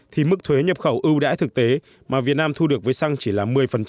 thì mức thuế nhập khẩu ưu đãi thực tế mà việt nam thu được với xăng chỉ là một mươi